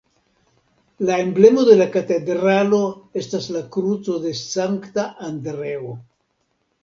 La emblemo de la katedralo estas la kruco de Sankta Andreo.